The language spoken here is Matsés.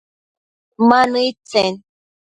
Ma nëid tsen ?